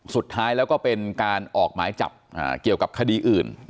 สุดท้ายแล้วก็เป็นการออกหมายจับเกี่ยวกับคดีอื่น